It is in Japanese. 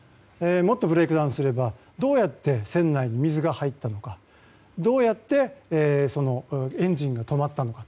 もっとブレークダウンすればどうやって船内に水が入ったのかどうやってエンジンが止まったのか。